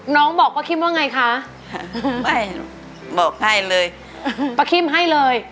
น้องบอกป้าคิมว่าไงคะไม่บอกให้เลยป้าคิมให้เลย